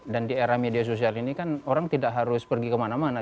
dan di era media sosial ini kan orang tidak harus pergi kemana mana